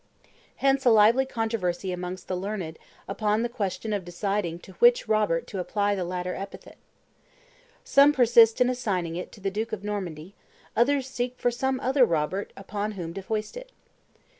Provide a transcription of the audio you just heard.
Hence a lively controversy amongst the learned upon the question of deciding to which Robert to apply the latter epithet. Some persist in assigning it to the duke of Normandy; others seek for some other Robert upon whom to foist it.